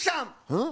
うん？